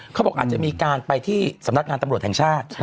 เขาบอกอาจจะมีการไปที่สำนักงานตำรวจแห่งชาติ